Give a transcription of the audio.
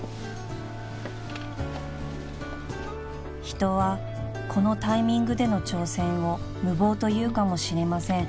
［人はこのタイミングでの挑戦を無謀と言うかもしれません］